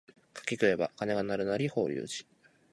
柿食えば鐘が鳴るなり法隆寺